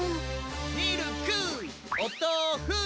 ミルクおとうふ